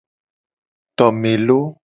Tome lo.